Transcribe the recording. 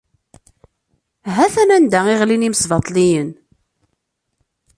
Ha-t-an anda i ɣlin yimesbaṭliyen!